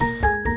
masih belum lacer